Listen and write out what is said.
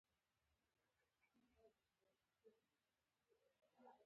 نڅا يې وکړه او چای يې ورکړ.